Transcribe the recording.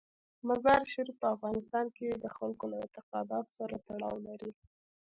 مزارشریف په افغانستان کې د خلکو له اعتقاداتو سره تړاو لري.